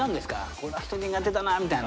この人苦手だなみたいな。